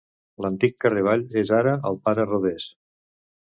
L'antic carrer Vall és ara el Pare Rodés.